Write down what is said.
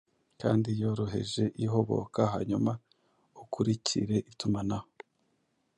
kandi yoroheje ihoboka hanyuma ukurikire itumanaho